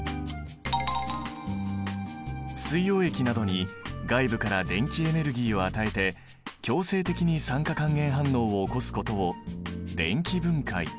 水溶液などに外部から電気エネルギーを与えて強制的に酸化還元反応を起こすことを電気分解という。